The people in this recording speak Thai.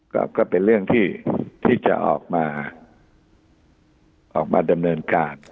ก็เป็นเรื่องที่จะออกมาออกมาดำเนินการ